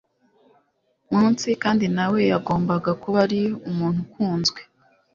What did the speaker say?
munsi, kandi nawe yagombaga kuba ari umuntu ukunzwe